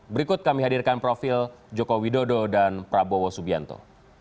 berikut kami hadirkan profil joko widodo dan prabowo subianto